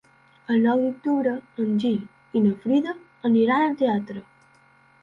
El nou d'octubre en Gil i na Frida aniran al teatre.